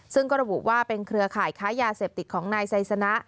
ซึ่งก็ระบุว่าเป็นเครือข่ายค้ายาเสพติดของนายไซสนะ